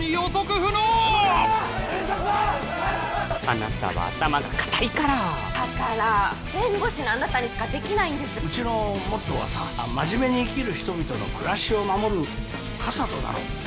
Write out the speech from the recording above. あなたは頭が固いからだから弁護士のあなたにしかできないんですうちのモットーはさ「真面目に生きる人々の暮らしを守る傘となろう」